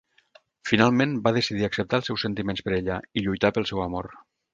Finalment va decidir acceptar els seus sentiments per ella i lluitar pel seu amor.